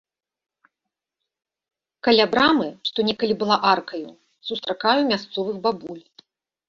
Каля брамы, што некалі была аркаю, сустракаю мясцовых бабуль.